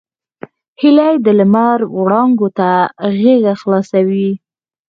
هیلۍ د لمر وړانګو ته غېږه خلاصوي